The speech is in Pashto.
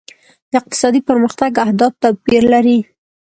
د اقتصادي پرمختګ اهداف توپیر لري.